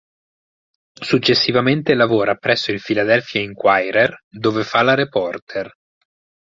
Successivamente lavora presso il Philadelphia Inquirer dove fa la reporter.